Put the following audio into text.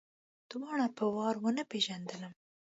ده وار په وار ونه پېژندلم.